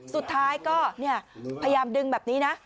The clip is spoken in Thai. สุดท้ายก็พยายามดึงแบบนี้นะ